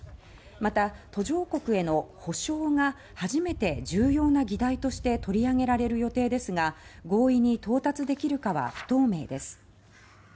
また、途上国への補償が初めて重要な議題として取り上げられる予定ですが合意に到達できるかは不透明です。